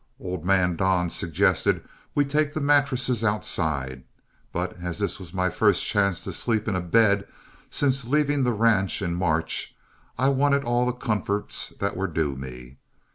Old man Don suggested we take the mattresses outside, but as this was my first chance to sleep in a bed since leaving the ranch in March, I wanted all the comforts that were due me.